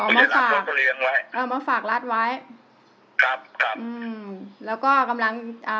อ๋อมาฝากมาฝากรัดไว้ครับครับอืมแล้วก็กำลังอ่า